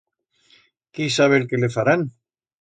Quí sabe el que le farán!